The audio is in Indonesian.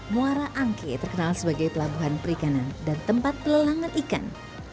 muara angke terkenal sebagai pelabuhan perikanan dan tempat pelelangan ikan